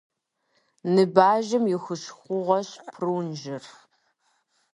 Ныбажэм и хущхъуэгъуэщ прунжыр.